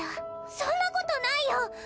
そんなことないよ！